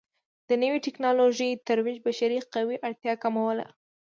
د نوې ټکنالوژۍ ترویج بشري قوې اړتیا کموله.